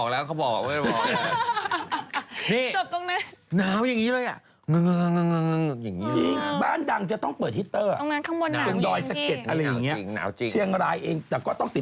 แล้วฉันก็ไปสวนอันนี้